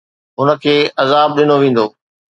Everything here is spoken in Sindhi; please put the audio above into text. هن کي عذاب ڏنو ويندو